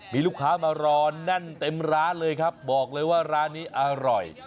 มีลูกค้ามารอแน่นเต็มร้านเลยครับบอกเลยว่าร้านนี้อร่อย